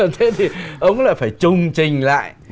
thế thì ông ấy là phải trùng trình lại